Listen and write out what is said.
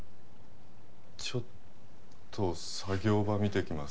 ちょっと作業場見てきます。